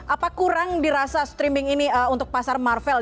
apa kurang dirasa streaming ini untuk pasar marvel